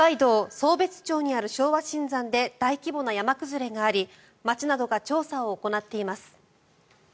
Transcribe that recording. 壮瞥町にある昭和新山で大規模な山崩れがあり町などが調査を行っています。